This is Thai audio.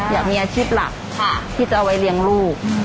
อยากมีอาชีพหลักที่จะเอาไว้เลี้ยงลูก